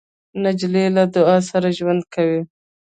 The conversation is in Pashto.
نجلۍ له دعا سره ژوند کوي.